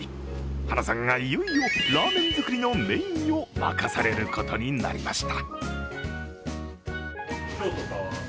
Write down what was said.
晴名さんがいよいよラーメン作りのメインを任されることになりました。